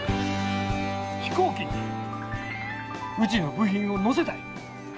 飛行機にうちの部品を乗せたい。